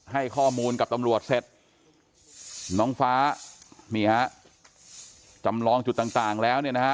ให้ข้อมูลกับตำรวจเสร็จน้องฟ้านี่ฮะจำลองจุดต่างต่างแล้วเนี่ยนะฮะ